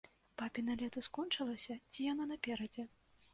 Бабіна лета скончылася ці яно наперадзе?